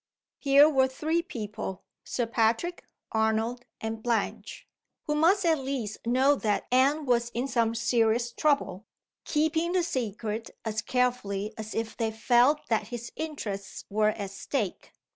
Here were three people (Sir Patrick, Arnold, and Blanche) who must at least know that Anne was in some serious trouble keeping the secret as carefully as if they felt that his interests were at stake!